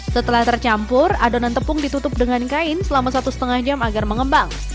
setelah tercampur adonan tepung ditutup dengan kain selama satu setengah jam agar mengembang